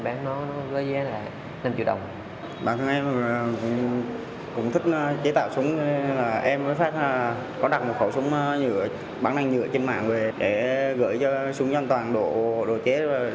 bản thân em cũng thích chế tạo súng nên em với pháp có đặt một khẩu súng bán năng nhựa trên mạng về để gửi cho súng an toàn đội chế